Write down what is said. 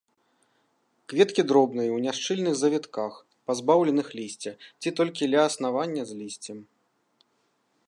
Кветкі дробныя, у няшчыльных завітках, пазбаўленых лісця ці толькі ля аснавання з лісцем.